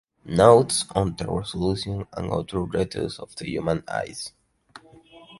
Notes on the Resolution and Other Details of the Human Eye